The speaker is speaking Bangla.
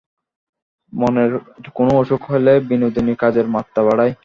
মনের কোনো অসুখ হইলে বিনোদিনী কাজের মাত্রা বাড়ায়।